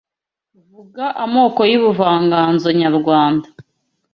Vuga amoko y’ubuvanganzo nyarwanda